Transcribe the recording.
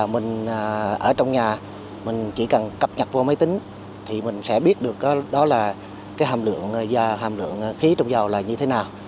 mình ở trong nhà mình chỉ cần cập nhật vào máy tính thì mình sẽ biết được hàm lượng khí trong dầu là như thế nào